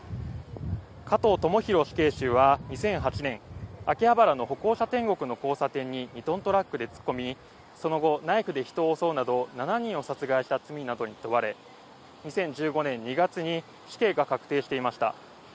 加藤智大死刑囚は２００８年秋葉原の歩行者天国の交差点に２トントラックで突っ込みその後、ナイフで人を襲うなど７人を殺害した罪などに問われ２０１５年２月に死刑が確定していました。